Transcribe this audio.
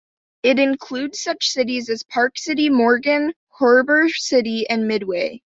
It includes such cities as Park City, Morgan, Heber City, and Midway.